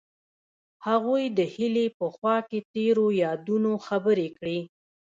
هغوی د هیلې په خوا کې تیرو یادونو خبرې کړې.